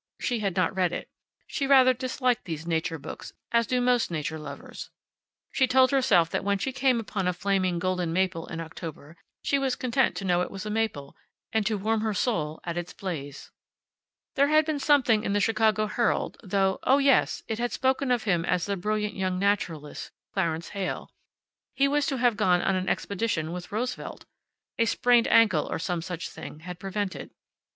She had not read it. She rather disliked these nature books, as do most nature lovers. She told herself that when she came upon a flaming golden maple in October she was content to know it was a maple, and to warm her soul at its blaze. There had been something in the Chicago Herald, though oh, yes; it had spoken of him as the brilliant young naturalist, Clarence Heyl. He was to have gone on an expedition with Roosevelt. A sprained ankle, or some such thing, had prevented.